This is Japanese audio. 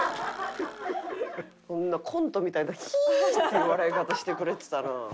コントみたいな「ヒィ」っていう笑い方してくれてたな。